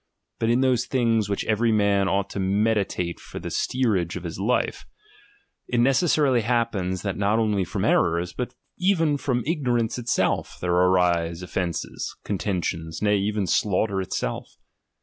But in those things which every man ought to meditate for the steerage of his life, it necessarily happens that not only from errors, but even from igno rance itself, there arise offences, contentions, nay, even slaughter itself.